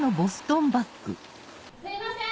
・すいません！